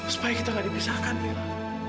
supaya kita nggak dibisarkan mila